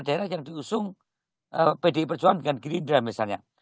jadi sekarang yang diusung pdi perjuangan dengan girindra misalnya